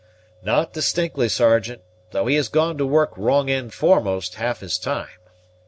"Not distinctly, Sergeant, though he has gone to work wrong end foremost half his time.